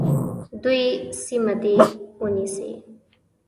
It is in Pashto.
دوی سیمه دي ونیسي.